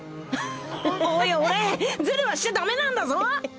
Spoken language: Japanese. おい俺ズルはしちゃダメなんだぞ！